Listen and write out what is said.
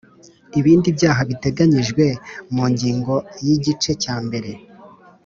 Ibindi byaha biteganyijwe mu ngingo ya igice cya mbere